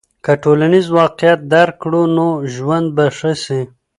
که ټولنیز واقعیت درک کړو نو ژوند به ښه سي.